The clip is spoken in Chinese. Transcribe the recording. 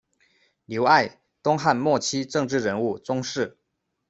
刘艾，东汉末期政治人物、宗室。